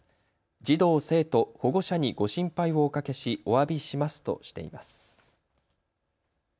児童生徒、保護者にご心配をおかけしおわびしますとしています。